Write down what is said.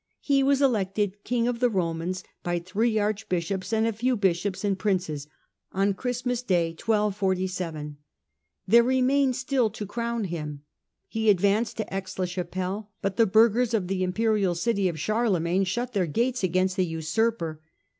He was elected King of the Romans by three Archbishops and a few Bishops and Princes on Christmas Day, 1247. There remained still to crown him. He advanced to Aix la Chapelle, but the burghers of the Imperial city of Charlemagne shut their gates against the usurper.